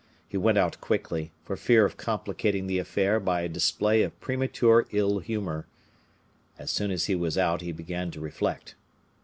He went out quickly, for fear of complicating the affair by a display of premature ill humor. As soon as he was out he began to reflect.